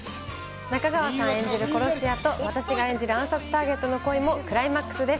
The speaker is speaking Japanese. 中川さん演じる殺し屋と、私が演じる暗殺ターゲットの恋もクライマックスです。